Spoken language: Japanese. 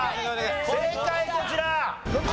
正解こちら！